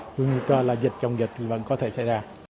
nguy cơ là dịch chống dịch vẫn có thể xảy ra